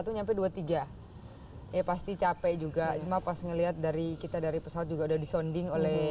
itu nyampe dua puluh tiga ya pasti capek juga cuma pas ngeliat dari kita dari pesawat juga udah disonding oleh